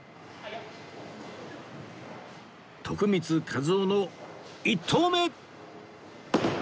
徳光和夫の１投目